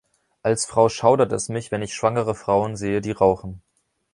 Als Frau schaudert es mich, wenn ich schwangere Frauen sehe, die rauchen.